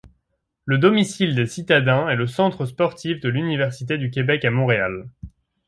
Le domicile des Citadins est le Centre sportif de l’Université du Québec à Montréal.